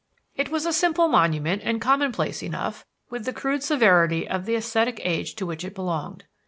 It was a simple monument and commonplace enough, with the crude severity of the ascetic age to which it belonged.